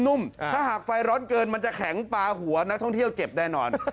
นุ่มถ้าหากไฟร้อนเกินมันจะแข็งปลาหัวนักท่องเที่ยวเจ็บแน่นอน